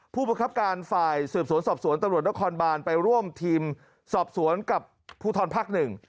ผู้ประคับการฝ่ายสืบสวนสอบสวนตำรวจนครบานไปร่วมทีมสอบสวนกับภูทรภักดิ์หนึ่ง